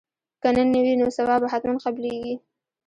که نن نه وي نو سبا به حتما قبلیږي